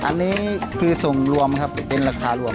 อันนี้คือส่งรวมครับเป็นราคารวม